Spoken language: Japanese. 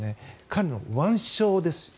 彼の腕章です。